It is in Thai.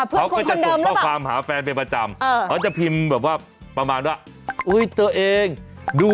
เขาก็จะส่งข้อความหาแฟนไปประจำแล้วจะพิมพ์แบบว่าประมาณว่าอ่ะเพื่อนคุณคนเดิมแล้วแหละ